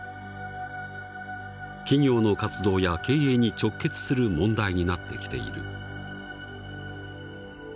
企業の活動や経営に直結する問題になってきている。